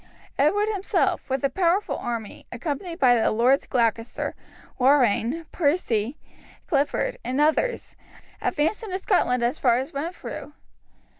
Edward himself, with a powerful army, accompanied by the Lords Gloucester, Warrenne, Percy, Clifford, and others, advanced into Scotland as far as Renfrew.